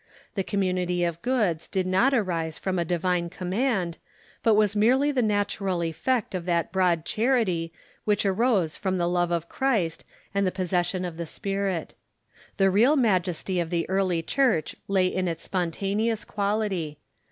The community of goods did not arise from a divine command, but was merely the natural effect of that broad charity which arose from the love of Christ and the pos session of the Spirit. The real majesty of the early Church lay in its spontaneous quality.